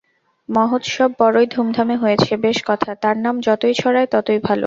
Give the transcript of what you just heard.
মহোৎসব বড়ই ধুমধামে হয়েছে, বেশ কথা, তাঁর নাম যতই ছড়ায় ততই ভাল।